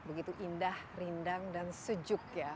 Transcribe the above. begitu indah rindang dan sejuk ya